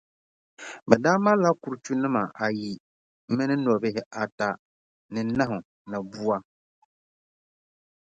Bɛ daa malila kurichunima ayi mini nobihi ata ni nahu ni bua.